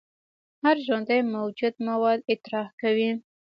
هر ژوندی موجود مواد اطراح کوي